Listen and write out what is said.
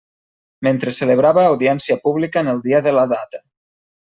Mentre celebrava audiència pública en el dia de la data.